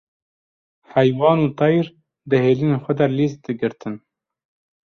heywan û teyr di hêlînên xwe de lîs digirtin.